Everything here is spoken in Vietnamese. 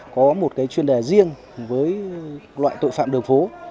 có một chuyên đề riêng với loại tội phạm đường phố